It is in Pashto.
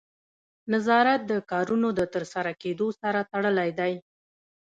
نظارت د کارونو د ترسره کیدو سره تړلی دی.